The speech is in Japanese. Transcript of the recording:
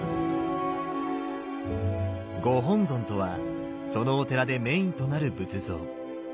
ご本尊とはそのお寺でメインとなる仏像。